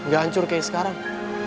gak hancur kayak sekarang